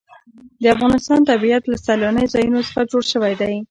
د افغانستان طبیعت له سیلانی ځایونه څخه جوړ شوی دی.